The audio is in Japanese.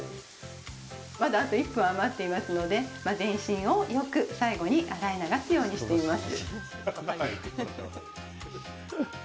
まだあと１分余っていますので全身をよく最後に洗い流すようにしています。